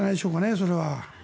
それは。